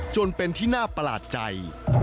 จนเป็นที่น่าประหลาดใจ